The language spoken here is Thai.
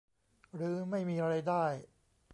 หรือไม่มีรายได้